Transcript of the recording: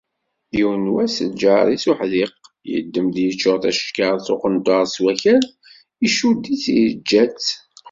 Yiwen wass, lğar-is uḥdiq, yeddem-d yeččur tacekkart uqenṭar s wakal, iccud-itt yeğğa-tt.